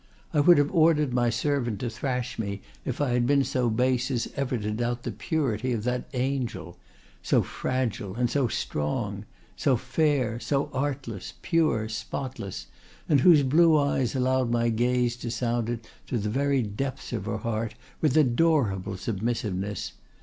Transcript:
I would have ordered my servant to thrash me if I had been so base as ever to doubt the purity of that angel—so fragile and so strong, so fair, so artless, pure, spotless, and whose blue eyes allowed my gaze to sound it to the very depths of her heart with adorable submissiveness.